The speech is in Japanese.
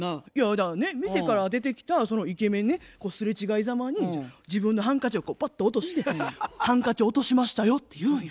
だからね店から出てきたそのイケメンねすれ違いざまに自分のハンカチをこうパッと落として「ハンカチ落としましたよ」って言うんや。